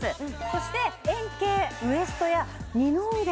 そして円形ウエストや二の腕